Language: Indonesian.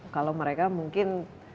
kalau mereka mungkin